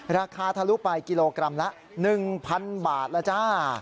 ทะลุไปกิโลกรัมละ๑๐๐๐บาทแล้วจ้า